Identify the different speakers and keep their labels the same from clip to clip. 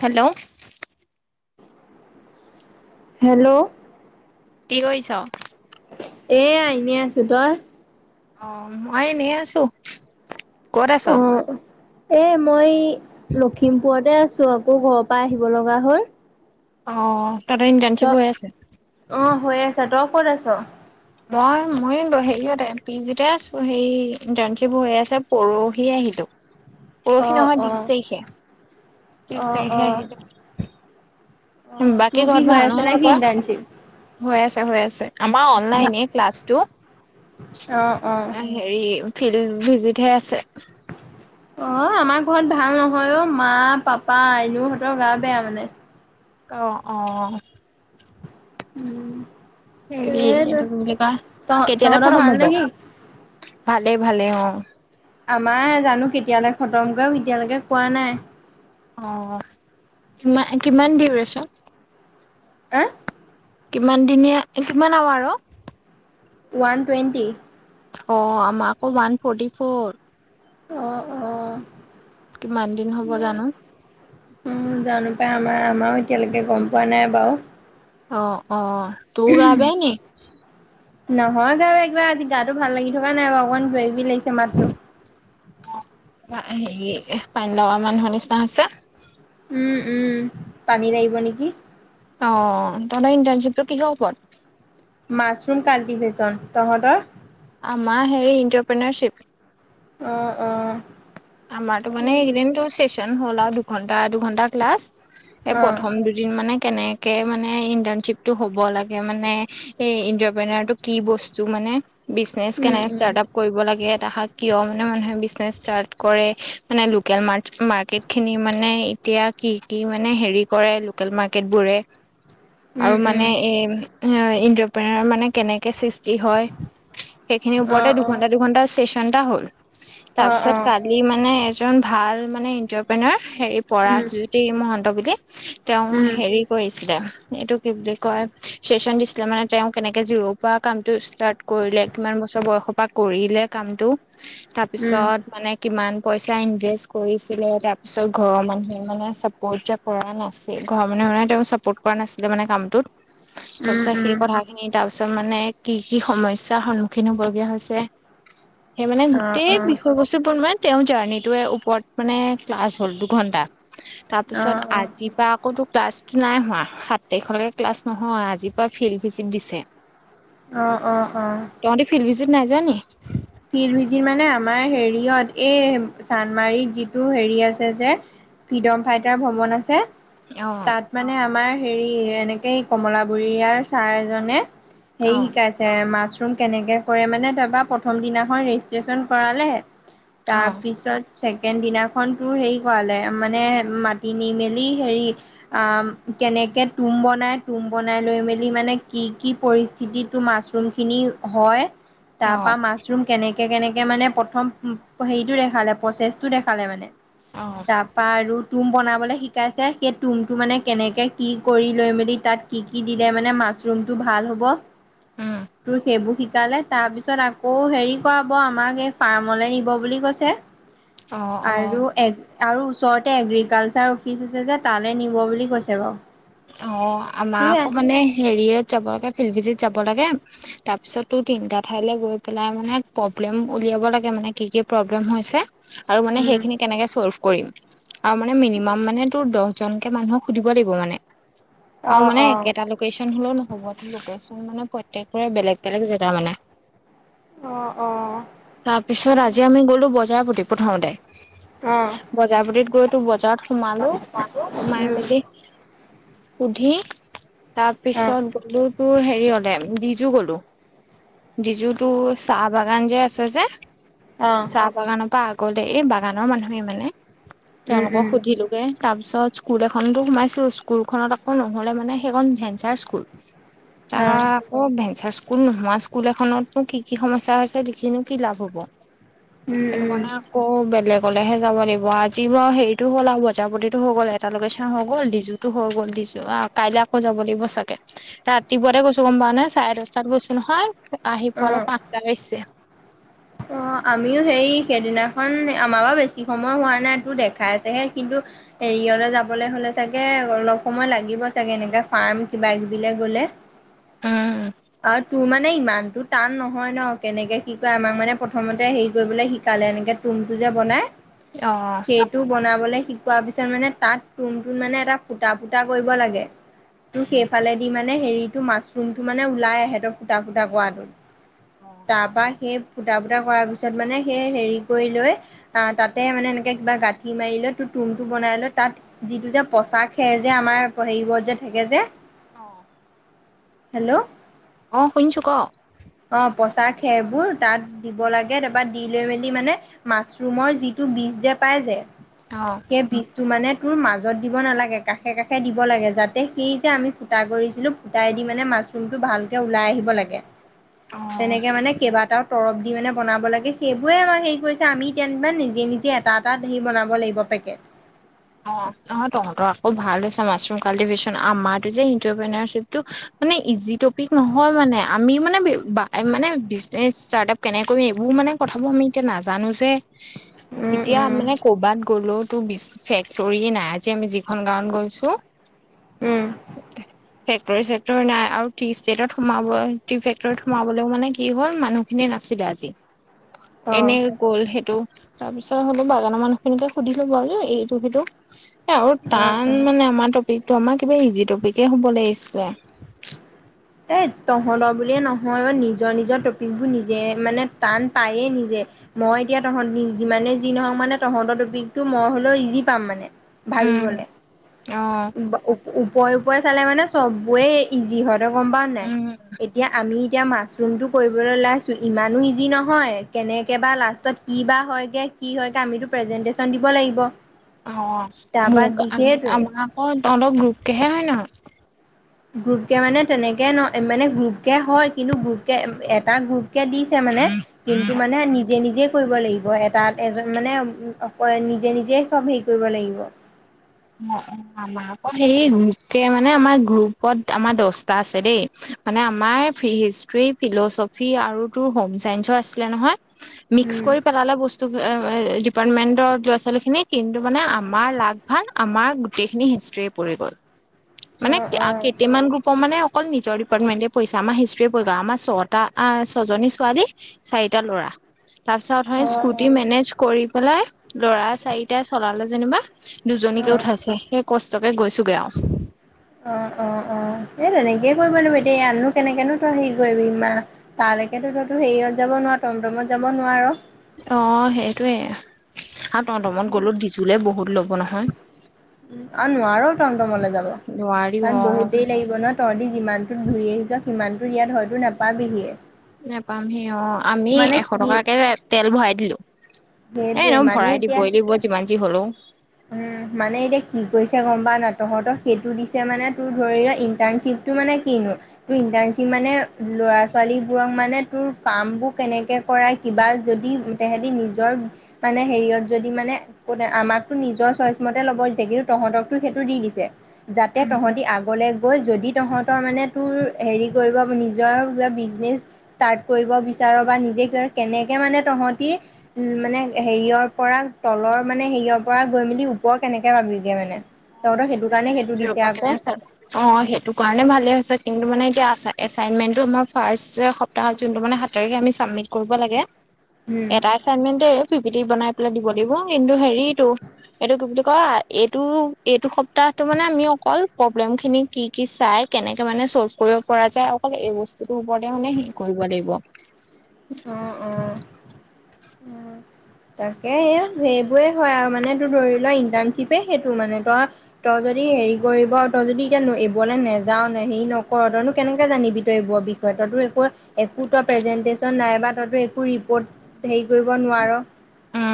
Speaker 1: Hello
Speaker 2: hello
Speaker 1: কি কৰিছ?
Speaker 2: এ আইনে আছো। তই?
Speaker 1: অ মই এনে আছো। কত আছ?
Speaker 2: অ এ মই লখিমপুৰতে আছো আকৌ ঘৰৰ পৰা আহিব লগা হ'ল।
Speaker 1: অ তাতে
Speaker 2: ত
Speaker 1: ইণ্টাৰ্ণশ্বিপ হৈ আছে।
Speaker 2: অ হৈ আছ। তই ক'ত আছ?
Speaker 1: মই মই হেৰিয়তে পি জিতে আছো হ ইণ্টাৰ্নশ্বিপ হৈ আছে পৰহি আহিল [inaudible]
Speaker 2: অ
Speaker 1: পৰহি নহয়
Speaker 2: অ
Speaker 1: ত্ৰিশ তাৰিখে
Speaker 2: অ
Speaker 1: ত্ৰিশ
Speaker 2: অ
Speaker 1: তাৰিখে আহিলো।
Speaker 2: অ
Speaker 1: বাকী
Speaker 2: তোৰ কি
Speaker 1: ঘৰত
Speaker 2: হৈ
Speaker 1: ভাল
Speaker 2: আছে
Speaker 1: নহয়
Speaker 2: নে কি ইণ্টাৰ্ণশ্বিপ
Speaker 1: চবৱে। হৈ আছে হৈ আছে আমাৰ অনলাইনে ক্লাছটো
Speaker 2: অ অ
Speaker 1: হেৰি ফিল্ড ভিজিতহে আছে।
Speaker 2: অ আমাৰ ঘৰত ভাল নহয় অ মা পাপা আইনুহঁতৰ গা বেয়া মানে।
Speaker 1: অ অ। হেৰি
Speaker 2: সেইটো
Speaker 1: এইটো ত বুলি কয়
Speaker 2: তহ
Speaker 1: কেতিয়ালে
Speaker 2: তহঁতৰ ভাল
Speaker 1: খটম হব।
Speaker 2: নেকি
Speaker 1: ভালে ভালে অ।
Speaker 2: আমাৰ জানো কেতিয়ালে খতম কৰে এতিয়ালৈকে কোৱা নাই।
Speaker 1: অ কি কিমান দিউৰেচন।
Speaker 2: অহ।
Speaker 1: কিমান দিনীয়া কিমান আৱাৰ‌ অ?
Speaker 2: ওৱান টুৱেণ্টি
Speaker 1: অ আমাকো ওৱান ফৰ্টি ফৰ।
Speaker 2: অহ অহ। উম
Speaker 1: কিমান
Speaker 2: জানো
Speaker 1: দিন হ'ব জানো
Speaker 2: পাই আমাৰ আমাৰও এতিয়ালৈকে গম পোৱা নাই বাৰু।
Speaker 1: অ অ তোৰ গা বেয়া নেকি?
Speaker 2: নহয় গা বেয়া কিবা আজি গাটো ভাল লাগি থকা নাই বাৰু অকমান কিবাকিবি লাগি আছে। চিমাৰটো
Speaker 1: হেৰি পানীলগা মানুহৰ নিচিনা হৈছে।
Speaker 2: উম উম পানী লাগিব নেকি?
Speaker 1: অ তহঁতৰ ইণ্টাৰণশ্বিপটো কিহৰ ওপৰত।
Speaker 2: Mushroom cultivation. তহঁতৰ?
Speaker 1: আমাৰ হেৰি ইণ্টাৰপ্ৰেনাৰশিপ।
Speaker 2: অহ অহ।
Speaker 1: আমাৰতো মানে এইকেইদিনটো চেচন হ'ল আৰু দুঘন্টা দুঘন্টা ক্লাছ। এ
Speaker 2: অ
Speaker 1: প্ৰথম দুদিন মানে কেনেক মানে ইণ্টাৰ্ণশ্বিপ টো হ'ব লাগে মানে এই ইণ্টাৰপ্ৰেনাৰটো কি বস্তু মানে বিজনেচ
Speaker 2: উম
Speaker 1: কেনেকে
Speaker 2: উম
Speaker 1: ষ্টাৰ্ট আপ কৰিব লাগে এটা কিয় মানে মানুহে বিজনেচ ষ্টাৰট কৰে মানে লোকেল মাৰ্কেটখিনি মানে এতিয়া কি কি মানে হেৰি কৰে। লোকেল মাৰ্কেট বোৰে
Speaker 2: উম
Speaker 1: আৰু
Speaker 2: উম
Speaker 1: মানে এই ইনটাৰপ্ৰিনাৰ মানে কেনেকে সৃচ টি হয় সেইখিনিৰ
Speaker 2: অ
Speaker 1: ওপৰতে
Speaker 2: অ
Speaker 1: দুঘন্টা দুঘন্টা চেচন এটা হ'ল
Speaker 2: অ
Speaker 1: তাৰপিছত
Speaker 2: অ
Speaker 1: কালি মানে এজন ভাল মানে ইণ্টাৰপ্ৰেনৰ হেৰি
Speaker 2: উম
Speaker 1: পৰাশজ্যোতি মহন্ত বুলি তেওঁ
Speaker 2: উম
Speaker 1: হেৰি কৰিছিলে এইটো কি বুলি কয় চেচন দিছিলে মানে তেওঁ কেনেকে জিৰ' প কাম টো ষ্টাৰ্ট কৰিলে কিমান বছৰ বয়সৰ পৰা কৰিলে কামটো
Speaker 2: উম
Speaker 1: তাৰপিছত মানে কিমান পইচা ইনভেষ্ট কৰিছিলে তাৰপিছত ঘৰৰ মানুহে মানে চাপৰ্ট যে কৰা নাছিল। ঘৰৰ মানুহে মানে তেওঁক চাপোৰ্ট কৰা নাছিলে মানে কামটোত তাৰ
Speaker 2: উম
Speaker 1: পিছত
Speaker 2: উম
Speaker 1: সেই কথাখিনি তাৰ পিছত মানে কি কি সমস্যাৰ সন্মুখীন হব লগীয়া হৈছে সেই মানে
Speaker 2: অ
Speaker 1: গোটেই
Speaker 2: অ
Speaker 1: বি নে তেওঁৰ জাৰ্ণিটোৰ ওপৰত মানে ক্লাছ হ'ল দুঘন্টা।
Speaker 2: অ
Speaker 1: তাৰপিছত
Speaker 2: অ
Speaker 1: আজি পৰা আকৌ তোৰ ক্লাছটো নাই হোৱা সাত তাৰিখলৈকে ক্লাছ নহয় আজিৰ পৰা ফিল্ড ভিজিট দিছে।
Speaker 2: অহ অ অ।
Speaker 1: তহঁতি ফিল্ড নাই যোৱা‌ নি?
Speaker 2: ফিল্ড ভিজিট মানে আমাৰ হেৰিয়ত এই চান্মাৰিত যিটো হেৰি আছে যে ফ্ৰীডম ফাইটাৰ ভৱন আছে
Speaker 1: অ',
Speaker 2: তাত মানে আমাৰ হেৰি এনেকে কমলাবুৰীয়াৰ ছাৰ এজনে হেৰি
Speaker 1: অ',
Speaker 2: শিকাইছে মাছৰুম কেনেকে কৰে মানে তাৰপা প্ৰথম দিনাখন ৰেজিষ্ট্ৰেশ্যন কৰালে
Speaker 1: অ',
Speaker 2: তাৰপিছত ছেকেণ্ড দিনাখনতোৰ হেৰি কৰালে মানে মাতি নি মেলি হেৰি কেনেকৈ তুম বনাই তুম বনাই লৈ মেলি মানে কি কি পৰিস্থিতিটো মাছৰুমখিনি হয় তাৰপা
Speaker 1: অ',
Speaker 2: মাছৰুম কেনেকে কেনেকে মানে প্ৰথম হেৰিটো দেখালে প্ৰচেছটো দেখালে মানে
Speaker 1: অ',
Speaker 2: তাৰপা আৰু তুম বনাবলৈ শিকাইছে সেই তুমটো মানে কেনেকৈ কি কৰি লৈ মেলি তাত কি কি দিলে মানে ম মাছৰুমতো ভাল হব
Speaker 1: উম,
Speaker 2: সেইবোৰ শিকালে তাৰপিছ অ হেৰি কৰাব আমাক এই ফাৰ্মলে নিব বুলি কৈছে
Speaker 1: অ', অ'।
Speaker 2: আৰু আৰু ওচৰতে এগ্ৰিকালচাৰ অফিচ আছে যে তালৈ নিব বুলি কৈছে বাৰু
Speaker 1: অ আমাৰ
Speaker 2: সেয়াই
Speaker 1: আকৌ মানে হেৰিয়ত যাব লাগে ভিজি যাব লাগে তাৰ পিছতো তিনটা ঠাইলৈ গৈ পেলাই মানে প্ৰব্লেম উলিয়াব লাগে মানে কি কি কি কি প্ৰব্লেম আৰু
Speaker 2: উম।
Speaker 1: সেইখিনি কেনেকে ছল্ফ কৰিম আৰু মানে মিনিমাম মানে তোৰ দহ এজনকে মানুহক সুধিব লাগিব মানে আৰু
Speaker 2: অ',
Speaker 1: মানে
Speaker 2: অ',
Speaker 1: একেটা লোকেশন হলেও নহব মানে প্ৰত্যেকৰে বেলেগ বেলেগ জেগা মানে
Speaker 2: অ', অ', অ',
Speaker 1: তাৰ পিছত আজি আমি গলো বজাৰ প্ৰতি প্ৰথমতে
Speaker 2: অ', অ',
Speaker 1: বজাৰপতিত গৈ তোৰ বজাৰত সোমালো সোমাই
Speaker 2: উম,
Speaker 1: মেলি সুধি তাৰ পিছত গলো তোৰ হেৰি হেৰি হলে ডিজু গলো ডিজু তো চাহ বাগান যে আছে যে চাহ বাগানৰ পৰা আগলৈ এই বাগানৰ মানুহে মানে তেওঁলোকক
Speaker 2: উম,
Speaker 1: সুধিলোগে তাৰ পিছত স্কুুল এখনতো সোমাইছিলো স্কুলখনত আকৌ নহলে মানে সেইখন ভেঞ্চাৰ স্কুল তাহা
Speaker 2: অ',
Speaker 1: আকৌ ভেঞ্চাৰ স্কুল স্কুল নোহোৱা স্কুল এখনতো কি কি সমস্যা হৈছে লিখিনো কি লাভ হ'ব সেইটো
Speaker 2: উম,
Speaker 1: কানে আকৌ বেলেগ গলেহে যাব লাগিব আজি বাৰু হেৰিটো হ'ল আৰু বজাৰ প্ৰতিতো হৈ গ'ল এটালৈকে চা হৈ গল টো হৈ গ'ল দিছো আহ কাইলৈ আকৌ যাব লাগিব চাগে ৰাতিপুৱাতে গৈছো গম পাৱ নে চাৰে দহটাত গৈছো নহয় আহি পোৱালে পাঁচটা বাজিছে
Speaker 2: অ আমিও সেই সেইদিনাখন আমাৰ বা বেছি সময় হোৱা নাই তোৰ দেখাইছেহে হেৰিয়লে যাবলৈ হলে চাগে অলপ সময় লাগিব চাগে এনে ফাৰ্ম কিবা কিবি লে গ'লে
Speaker 1: উম
Speaker 2: আৰু তোৰ মানে ইমানতো টান নহয় ন কেনেকে কি কয় আমাক মানে প্ৰথমতে হেৰি কৰিবলৈ শিকালে এনেকে তুমটো যে বনাই
Speaker 1: অ',
Speaker 2: সেইটো বনাবলে শিকোৱাৰ পিছত মানে তাত তুম তুত মানে এটা ফুটা ফুটা কৰিব লাগে তোৰ সেইফালেদি মানে মানে হেৰিটো মাছৰুমটো মানে ওলাই আহে ত ফুটা ফুটা কৰাটোত
Speaker 1: অ',
Speaker 2: তাৰপৰাই সেই ফুটা ফুটা কৰাৰ পিছত মানে সেই হেৰি কৰি লৈ আহ তাতে মানে এনেকে কিবা গাঁঠি মাৰি লৈ তুমটো বনাই লৈ তাত যিটো যে পচা খেৰ যে আমাৰ হেৰিবোৰত যে থাকে যে
Speaker 1: অ
Speaker 2: হেল্ল'
Speaker 1: অ শুনিছো ক
Speaker 2: অ পচা খেৰবোৰ তাত দিব লাগে তাৰপৰা দি লৈ মেলি মানে মাছৰুমৰ যিটো বীজ যে পাই যে
Speaker 1: অ',
Speaker 2: সেই বীজটো মানে ত মাজত দিব নালাগে কাষে কাষে দিব লাগে যাতে সেই যে আমি ফুটা কৰিছিলো ফুটাই দি মানে মাজ ভালকে ওলাই আহিব লাগে
Speaker 1: অ',
Speaker 2: তেনেকে মানে কেইবাটাও তৰব দি মানে বনাব লাগে সেইবোৰে আমাৰ হেৰি কৰিছে আমি তেনমান নিজে নিজে এটা এটা হেৰি বনাব লাগিব তাকে
Speaker 1: অ অ তহঁতৰ আকৌ ভাল হৈছে মাছৰুম কাল্টিভেশ্যন আমাৰো যে ইটাৰপ্ৰ্বটো মানে ইজি টপিক নহয় মানে আমি মানে মানে বিজনেচ ষ্টাৰ আপ কেনে কৰিম এইবোৰ মানে কথাবোৰ আমি এতিয়া নাজানো যে
Speaker 2: উম
Speaker 1: এতিয়া
Speaker 2: উম
Speaker 1: মানে কৰ'বাত গ'লো তো ফেক ষ্টৰি নাই আজি আমি যিখন গাঁৱত গৈছো
Speaker 2: উম
Speaker 1: ফেক্টৰী চেক্টৰী নাই আৰু টি ষ্টেটত সোমাব টি ফেক্টৰীত সোমাবলেও মানে কি হ'ল মানুহখিনি না চিৰাজি
Speaker 2: অ
Speaker 1: এনে গ'ল সেইটো তাৰ পিছত হলো বাগানৰ মানুহখিনিকে সুধিলো বাও আৰু এইটো সেইটো আৰু টান
Speaker 2: উম উম
Speaker 1: মানে আমাৰ টপিকটো আমাৰ কিবা ইজি টপিকে হ'ব লাগিছিলে
Speaker 2: এ তহঁতৰ বুলিয়ে নহয় অ নিজৰ নিজৰ টপিক বোৰ নিজে মানে টান পায়ে নিজে মই এতিয়া তহত যিমানে যি নহওক মানে তহঁতৰ টপিকটো মই হলেও ইজি পাম মানে
Speaker 1: উম
Speaker 2: ভাবিবলে
Speaker 1: অ
Speaker 2: ওপৰে ওপৰে চালে মানে চবৰে ইজি হয় তই গম পাও নাই
Speaker 1: উম
Speaker 2: এতিয়া আমি এতিয়া মাছৰুমটো কৰিবলৈ ওলাইছো ইমানো ইজি নহয় কেনেকে বা লাষ্টত কি বা হয়গে কি হয় গে আমিতো প্ৰেজেন্টচন দিব লাগিব
Speaker 1: অ
Speaker 2: তাৰপা
Speaker 1: মোক
Speaker 2: দি সেইটোৱে
Speaker 1: আমাৰ আকৌ তহঁতৰ গ্ৰুপকেহে হয় নহয়
Speaker 2: গ্ৰুপ কে মানে তেনেকে ন মানে গ্ৰুপ কে হয় কিন্তু গ্ৰুপ কে এটা গ্ৰুপ দিছে মানে কিন্তু মানে নিজে নিজে কৰিব লাগিব এটাত এজন মানে অ নিজে নিজে চব হেৰি কৰিব লাগিব
Speaker 1: অ অ আমাৰ আকৌ সে গ্ৰুপকে মানে আমাৰ গ্ৰুপত আমাৰ দহটা আছে দেই মানে আমাৰ হিষ্ট্ৰি ফিলচফি আৰু তোৰ হোম চাইন্সৰ আছিলে নহয় মিক্স
Speaker 2: উম
Speaker 1: কৰি পেলালে বস্তু ডিপাৰ্টমেন্টৰ ল'ৰা ছোৱালী খিনিক কিন্তু মানে আমাৰ লাগ ভাল আমাৰ গোটেইখিনি হিষ্ট্ৰি পৰি গ'ল
Speaker 2: অ
Speaker 1: মানে
Speaker 2: অ
Speaker 1: কেইটামান গ্ৰুপৰ মানে অকল নিজৰ ডিপাৰ্টমেন্টে পইছা আমাৰ হিষ্ট্ৰীয়ে পঢ়া আমাৰ ছটা ছয়জনী ছোৱালী চাৰিটা ল'ৰা তাৰ পিছত হয়
Speaker 2: অ অ
Speaker 1: স্কুটি মেনেজ কৰি পেলাই লৰা চাৰিটাই চলালে যেনিবা
Speaker 2: অ
Speaker 1: দুজনীকে উঠাইছে সেই কষ্টকে গৈছোগে আও
Speaker 2: অ অ অ এ তেনেকে কৰিব লাগিব এতিয়া এয়াতনো কেনেকেনো তই হেৰি কৰিবি মা তালৈকেতো তই তোৰ হেৰিয়ত যাব টমটমত যাব নোৱাৰো
Speaker 1: অ সেইটোৱে হ টমটমত গলো ডজুলে বহুত ল'ব নহয়
Speaker 2: উ আৰু নোৱাৰো টমটম লৈ যাব
Speaker 1: নোৱাৰি
Speaker 2: কাৰণ
Speaker 1: অ
Speaker 2: বহুত দেৰি লাগিব ন তহঁতি যিমানটোত ঘূৰি আহিছ সিমানটোৰ ইয়াত হয়তো নাপাবিহিয়ে
Speaker 1: নেপামহি অ আমি
Speaker 2: মানে
Speaker 1: এশ
Speaker 2: কি
Speaker 1: টকাকে তেল ভৰাই দিলো এ
Speaker 2: সেইটোৱে
Speaker 1: নহয়
Speaker 2: মানে
Speaker 1: ভৰাই
Speaker 2: এতিয়া
Speaker 1: দিবই লাগিব যিমান যি হ'ল
Speaker 2: উম মানে এতিয়া কি কৰিছে গম পা না তহঁতক সেইটো দিছে মানে তোৰ ধৰি ল ইণ্টাৰ্ণশ্বিপটো মানে কিনো তোৰ ইণ্টাৰ্ণশ্বিপ মানে ল'ৰা ছোৱালীবোৰক মানে তোৰ কাম বোৰ কেনেকে কৰাই কিবা যদি তেহেতি নিজৰ মানে হেৰিয়ত যদি মানে ক আমাকতো নিজৰ চইচ মতে ল'ব কিন্তু তহতকতো সেইটো দি দিছে যাতে তহঁতি আগলৈ গৈ যদি তহঁতৰ মানে তোৰ হেৰি কৰিব নি নিজৰ বিজনেছ ষ্টাৰট কৰিব বিচাৰো বা নিজে ক কেনেকে মানে তহতি উ মানে হেৰিয়ৰ পৰা তলৰ মানে হেৰিয়ৰ পৰা গৈ মেলি ওপৰ কেনেকে পাবিগে মানে তহঁতৰ
Speaker 1: সেইটো
Speaker 2: কাৰণে
Speaker 1: মানে যোৰ
Speaker 2: দিছে
Speaker 1: পৰা
Speaker 2: আকৌ
Speaker 1: কেনে চো অ সেইটো কাৰণে ভালে হৈছে কিন্তু মানে এতিয়া এচাইণ্টমেণ্টতো আমাৰ ফাৰ্ষ্ট সপ্তাহত যোনটো মানে সাত তাৰিখে আমি চাবমিট কৰিব লাগে
Speaker 2: উম
Speaker 1: এটা এচাইণ্টমেণ্টে দি বনাই পেলাই দিব দিব কিন্তু হেৰিতো এইটো কি বুলি ক এইটো এইটো স প্তাটো মানে আমি অকল প্ৰব্লেম খিনি কি কি চাই কেনেকে মানে চল্ভ কৰিব পৰা যায় অকল এই বস্তু টোৰ ওপৰতে মানে শেষ কৰিব লাগিব
Speaker 2: অ', অ'। তাকে সেইবোৰে হয় আও মানে তোৰ ধৰি লোৱা ইণ্টাৰ্ণশ্বিপে সেইটো মানে তই তই য দি হেৰি কৰিব তই যদি এতিয়া এইবলৈ নেযাৱও হেৰি নকৰ তইনো কেনেকে জানিবি তই এইবৰ বিষয়ে তো একো প্ৰেজেন্টন নাই বা তইতো একো ৰিপৰ্ট হেৰি কৰিব নোৱাৰ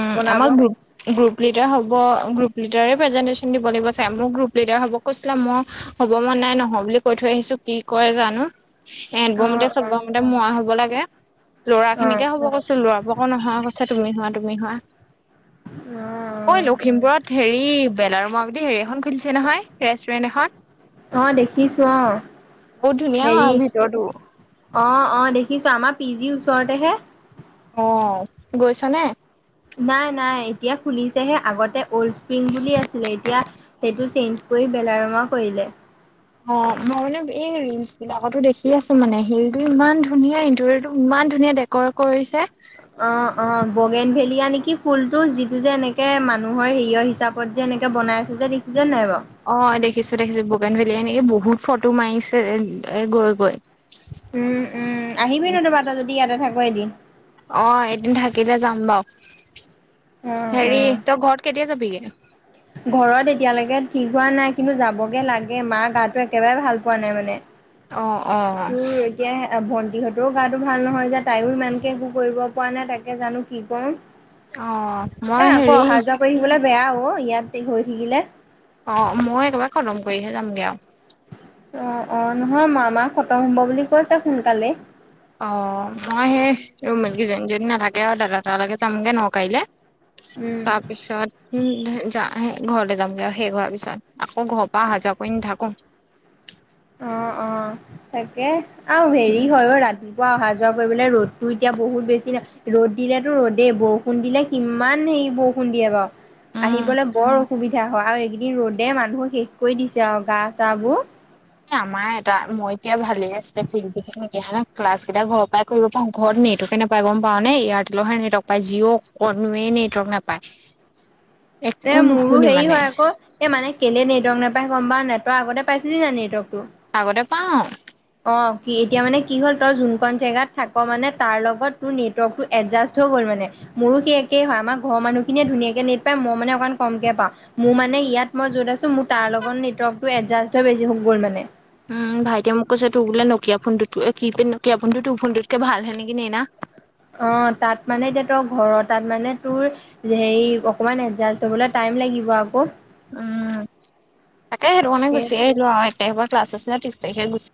Speaker 1: উ
Speaker 2: বনাব
Speaker 1: আমাৰ গ্ৰু
Speaker 2: অ',
Speaker 1: গ্ৰুপ লিডাৰ হ'ব গ্ৰুপ লিডাৰে প্ৰেজেণ্টেছন দিব লাগিব ছাগে মোক গ্ৰুপ লিডাৰ হ' কৈছিলে মই হ'ব মন নাই নহও বুলি কৈ থৈ আহিছো কি কয় জানো এদব মতে
Speaker 2: অ',
Speaker 1: চবৰ মতে মই হব লাগে ল'ৰা
Speaker 2: অ',
Speaker 1: খিনিকে হ'ব কৈছো ল'ৰাবোৰকো নহোৱা কৈছে তমি হোৱা তুমি হোৱা অঐ
Speaker 2: অ',
Speaker 1: লখিমপুৰত হেৰি। বেনালোনা বুলি হেৰি এখন খুলিছে নহয়, ৰেষ্টুৰেণ্ট এখন
Speaker 2: অ দেখিছো অ
Speaker 1: বহুত ধুনীয়া
Speaker 2: হেৰি।
Speaker 1: হয় ভিতৰতো
Speaker 2: অ অ দেখিছো আমাৰ পি জি ওচৰতেহে
Speaker 1: অ গৈছ নে।
Speaker 2: নাই -নাই এতিয়া খুলিছেহে আগতে অল্ড স্প্ৰিং বুলি আছিলে এতিয়া সেইটো চেঞ্জ গৈ বেলাৰমা কৰিলে
Speaker 1: অ মই মানে এই ৰিলচ বিলাকতো দেখি আছো মানে শিলটো ইমান ধুনীয়া ইণ্টটো ইমান ধুনীয়া ডেক'ৰেট কৰিছে
Speaker 2: অ', অ বগেন ভেলীয়া নেকি ফুলটো যিটো যে এনেকে মানুহৰ হেৰিয় হিচাপত যে এনেকে বনাই যে দেখিছে নাই বাৰু?
Speaker 1: অ দেখিছো -দেখিছো বগেন ভে এনেকে বহুত ফটো মাৰিছে এ এ গৈ গৈ।
Speaker 2: উম উম আহিবি ন তোমাত ত যদি ইয়াতে থাক এদিন।
Speaker 1: অ এদিন থাকিলে যাম বাৰু,
Speaker 2: অ',
Speaker 1: হেৰি
Speaker 2: অ'।
Speaker 1: তই ঘৰত কেতিয়া যাবিগে
Speaker 2: ঘৰত এতিয়ালৈকে ঠিক হোৱা নাই কিন্তু যাবগে লাগে মা গাটো একেবাৰে ভাল পোৱা নাই মানে।
Speaker 1: অ অ
Speaker 2: তোৰ এতিয়া ভন্টি সিহঁতেও গাো ভাল নহয় যে তাইও ইমানকে একো কৰিব পৰা নাই তাকে জানো কি কওঁ।
Speaker 1: অ মই
Speaker 2: এ আকৌ
Speaker 1: হেৰি
Speaker 2: অহা যোৱা কৰি থিবলৈ বেয়া অ ইয়াতে গৈ থাকিলে।
Speaker 1: অ মই একেবাৰে খতম কৰিহে যামগে আৰু।
Speaker 2: অ -অ নহয়, মই মামাক খতম হ'ব বুলি কৈছা সোনকালেই।
Speaker 1: অ মই সেইজনীজনী নালাগে আৰু দাদা তালৈকে যামগে ন কাইলে ।
Speaker 2: উম
Speaker 1: তাৰপিছত উ য। আহ সে ঘৰলৈ যামগে আৰু শেষ হোৱাৰ পিছত আকৌ ঘৰৰ পৰা অহা যোৱা কৰি নাথাকো।
Speaker 2: অ -অ তাকে আৰু হেৰি
Speaker 1: উম,
Speaker 2: হয় অ ৰাতি পোৱা অহা যোৱা কৰিবলে ৰ'দতো এতিয়া বহুত বেছি নাই ৰ'দ দিলেতো ৰ'দেই বৰষুণ দিলে কিমান হে বৰষুণ দিয়ে বাৰু
Speaker 1: উম।
Speaker 2: আহিবলৈ বৰ অসুবিধা হয় আৰু এইকেই কি ৰ'দে
Speaker 1: এ
Speaker 2: মানুহক শেষ কৰি দিছে আৰু গা চাহ বোৰ
Speaker 1: এ আমাৰ এটা মই এতিয়া ভালে আছিল ফিল্ডে ক্লাছ কেইটা ঘৰৰ পৰাই কৰিব পাৰো। ঘৰত নে নেকে নাপায় গম পাও নে এয়াৰটেলৰহে নেটৱৰ্ক পায় জিঅ' কে নেটৱৰ্ক নাপায়।
Speaker 2: এ
Speaker 1: একো
Speaker 2: মোৰো
Speaker 1: নুশুনি
Speaker 2: হেৰি
Speaker 1: মানে
Speaker 2: হয় আকৌ এ মানে কেলে নেটৱৰ্ক নোপায় গম পাৱ নে নাই তই আগতে পাইছি নেটৱৰ্কটো?
Speaker 1: আগতে পাও
Speaker 2: অ কি এতিয়া মানে কি হ'ল তই যোনকণ জেগাত থাক মানে তাৰ লগত তোৰ নেটৱৰ্ক টো এডজাষ্ট হৈ গ'ল মানে। মোৰো সি একে হয় আমাৰ ঘৰৰ মানুহ খিনিয়ে ধুনীয়াকে নেট পায় মই মানে অকণ কমকে পাও। মোৰ মানে ইয়াত মই য'ত আছো মোৰ তাৰ লগত নেটৱৰ্টো এডজাষ্ট হৈ বেছি গ'ল মানে।
Speaker 1: টোৰ বোলে নকীয়া ফোনুত কি নকিয় ফোনডু টো ফোনটোতকে ভাল হয় নেকি নেইনা।
Speaker 2: অ তাত মানে এতিয়া ত ঘৰৰ তাত মানে তোৰ হেৰি অকমান এতজাষ্ট হবলৈ টাই ম লাগিব আকৌ।
Speaker 1: উম তাকে হে মানে গুচি
Speaker 2: সেইটোৱে
Speaker 1: আহিলো তাৰিখৰ পৰা ক্লাছ তিছ তাৰিখে গুচ।